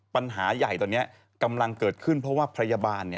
ปัญหาใหญ่ตอนนี้กำลังเกิดขึ้นเพราะว่าพยาบาล